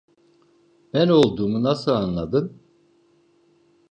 Ben olduğumu nasıl anladın?